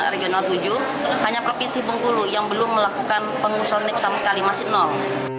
regional tujuh hanya provinsi bengkulu yang belum melakukan pengusuran lift sama sekali masih nol